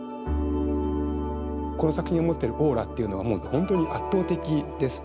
この作品の持っているオーラというのはもう本当に圧倒的です。